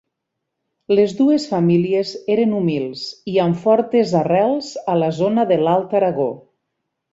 Les dues famílies eren humils i amb fortes arrels a la zona de l'Alt Aragó.